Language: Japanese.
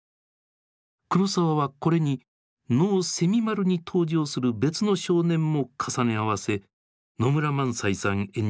黒澤はこれに能「蝉丸」に登場する別の少年も重ね合わせ野村萬斎さん演じる